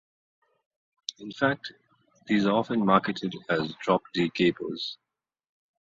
In fact, these are often marketed as "drop D capos".